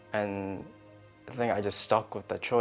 dan saya pikir saya terpaksa memilih